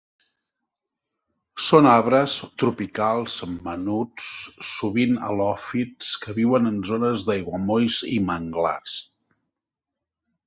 Són arbres tropicals menuts, sovint halòfits, que viuen en zones d'aiguamolls i manglars.